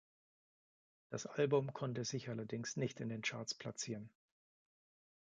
Das Album konnte sich allerdings nicht in den Charts platzieren.